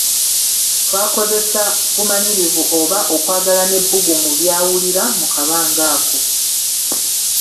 Takozesa bumanyirivu oba okwagala n'ebbugumu by'awulira mu kabanga ako.